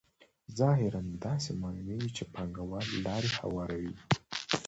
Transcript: ظاهراً داسې معلومېږي چې پانګوال لار هواروي